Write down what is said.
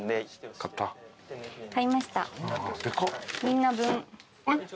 みんな分。